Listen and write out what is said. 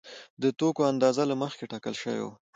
د توکو اندازه له مخکې ټاکل شوې وه